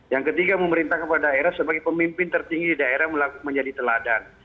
yang ketiga memerintah kepada daerah sebagai pemimpin tertinggi daerah menjadi teladan